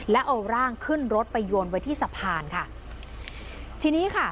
แล้วเอาร่างขึ้นรถไปโยนไว้ที่สะพานค่ะทีนี้ค่ะ